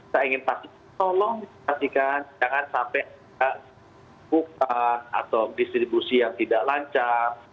saya ingin pastikan tolong diperhatikan jangan sampai buka atau distribusi yang tidak lancar